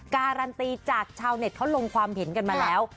การันตีจากชาวเน็ตเขาลงความเห็นกันมาแล้ว